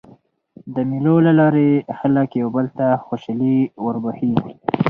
د مېلو له لاري خلک یو بل ته خوشحالي وربخښي.